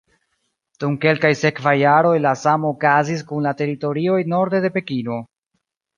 Dum kelkaj sekvaj jaroj la samo okazis kun la teritorioj norde de Pekino.